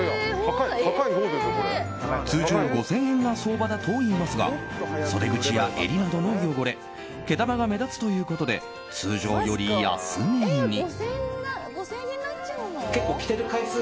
通常５０００円が相場だといいますが袖口や襟などの汚れ毛玉が目立つということで通常より安値に。